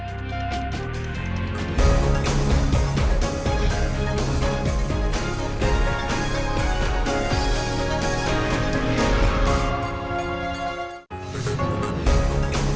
sampai jumpa di video selanjutnya